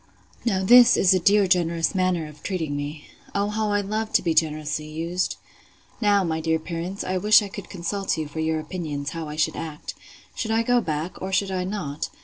Now this is a dear generous manner of treating me. O how I love to be generously used!—Now, my dear parents, I wish I could consult you for your opinions, how I should act. Should I go back, or should I not?